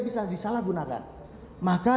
bisa disalahgunakan maka